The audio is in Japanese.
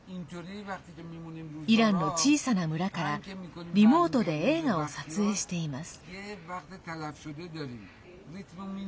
イランの小さな村からリモートで映画を撮影しています。